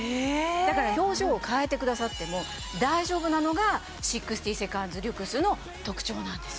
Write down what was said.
だから表情を変えてくださっても大丈夫なのが６０セカンズリュクスの特長なんです。